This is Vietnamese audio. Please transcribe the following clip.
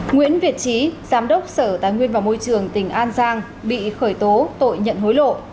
nguyễn việt trí giám đốc sở tài nguyên và môi trường tỉnh an giang bị khởi tố tội nhận hối lộ